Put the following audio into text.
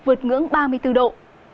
vượt ngưỡng ba mươi bốn độ